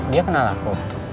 dia kenal aku